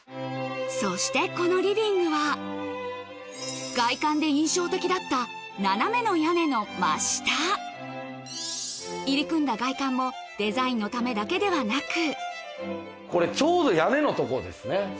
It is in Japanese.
そしてこのリビングは外観で印象的だった斜めの屋根の真下入り組んだ外観もデザインのためだけではなくこれが。